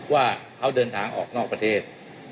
ว่าเขาเดินทางออกนอกประเทศ